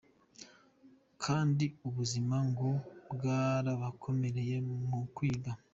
Kandi ubuzima ngo bwarabakomereye mu kwiga.